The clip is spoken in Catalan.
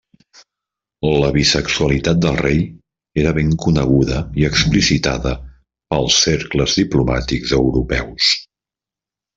La bisexualitat del rei era ben coneguda i explicitada pels cercles diplomàtics europeus.